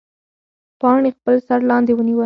پاڼې خپل سر لاندې ونیوه.